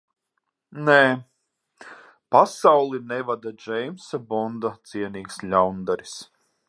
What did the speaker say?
Nē - pasauli nevada Džeimsa Bonda cienīgs ļaundaris.